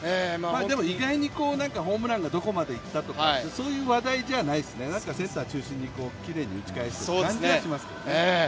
意外にホームランがどこまで行ったとかそういう話題じゃないですね、センター中心にきれいに打ち返している感じはしますね。